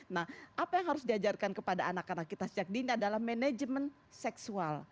nah apa yang harus diajarkan kepada anak anak kita sejak dini adalah manajemen seksual